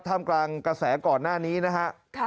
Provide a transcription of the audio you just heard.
กลางกระแสก่อนหน้านี้นะฮะ